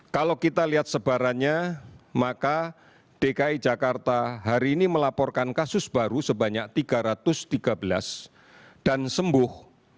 kalau kita lihat sebarannya maka dki jakarta hari ini melaporkan kasus baru sebanyak tiga ratus tiga belas dan sembuh tiga ratus dua puluh enam